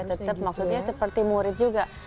tetap maksudnya seperti murid juga